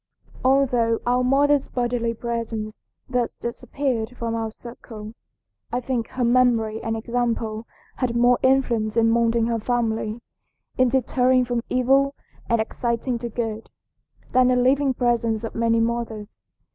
"Although our mother's bodily presence thus disappeared from our circle, I think her memory and example had more influence in moulding her family, in deterring from evil and exciting to good, than the living presence of many mothers.